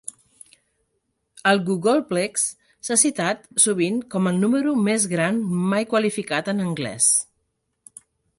El googolplex s'ha citat sovint com el número més gran mai qualificat en anglès.